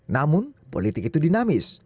namun politik itu dinamis